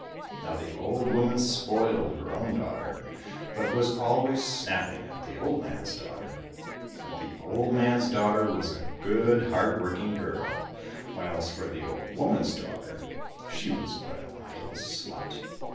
Now the old woman spoiled her own daughter, but was always snapping at the old man's daughter. Yet the old man's daughter was a good, hard working girl, while as for the old woman's daughter, she was but an idle slut.